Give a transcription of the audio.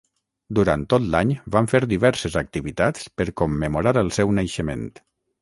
Durant tot l'any van fer diverses activitats per commemorar el seu naixement.